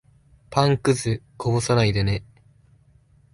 パンくず、こぼさないでね。